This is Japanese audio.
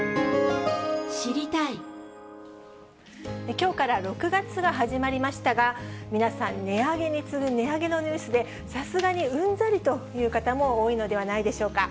きょうから６月が始まりましたが、皆さん、値上げに次ぐ値上げのニュースで、さすがにうんざりという方も多いのではないでしょうか。